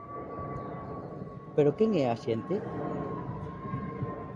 Pero quen é a xente?